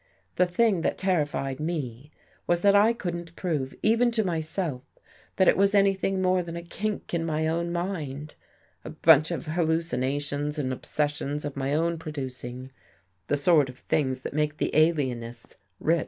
The thing that terrified me was that I couldn't prove, even to myself, that it was anything more than a kink in my own mind — a bunch of hallucinations and obsessions of my own produc ing — the sort of things that make the alienists rich.